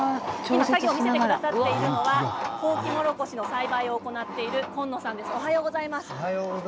作業を見せてくださっているのはホウキモロコシの栽培を行っている紺野さんです。